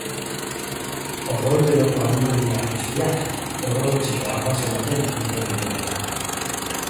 Odol beroko animalia guztiak, odol hotzeko arbaso baten ondorengo dira.